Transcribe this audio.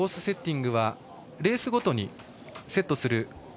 セッティングはレースごとにセットします。